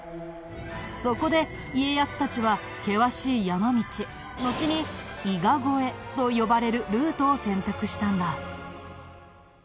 そこで家康たちは険しい山道のちに「伊賀越え」と呼ばれるルートを選択したんだ。